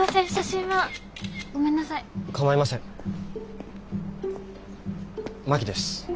真木です。